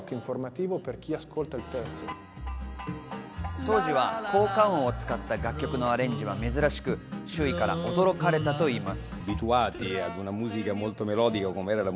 当時は効果音を使った楽曲のアレンジは珍しく、周囲から驚かれたといいます。